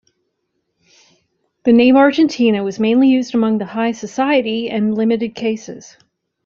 The name "Argentina" was mainly used among the high society, and in limited cases.